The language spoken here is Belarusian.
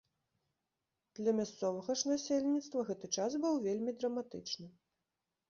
Для мясцовага ж насельніцтва гэты час быў вельмі драматычны.